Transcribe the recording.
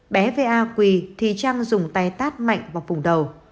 bé va quỳ thì trang dùng tay tát mạnh vào phùng đầu